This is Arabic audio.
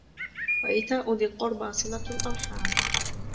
وَإِيتَاءُ ذِي الْقُرْبَى صِلَةُ الْأَرْحَامِ